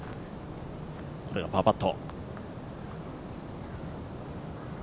これがパーパット。